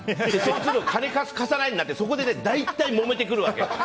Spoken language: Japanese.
金貸す、貸さないになってそこで大体もめてくるわけ。